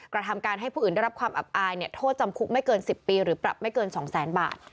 กระทำการให้ผู้อื่นได้รับความอับอายโทษจำคุกไม่เกิน๑๐ปีหรือปรับไม่เกิน๒แสนบาท